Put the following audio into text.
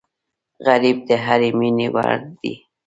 غریب د هرې مینې وړ دی